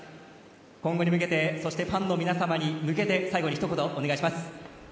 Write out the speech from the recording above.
今後に向けて、そしてファンの皆様に向けて最後にひと言お願いします。